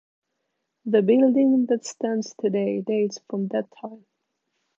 The building that stands today dates from that time.